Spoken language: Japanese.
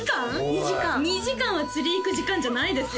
２時間２時間は釣り行く時間じゃないですよ